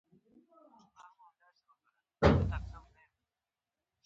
دا تر ټولو اوږده موده ده، چې یو انسان پاتې شوی دی.